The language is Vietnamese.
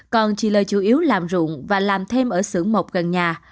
còn chị lê chủ yếu làm rụng và làm thêm ở xưởng mộc gần nhà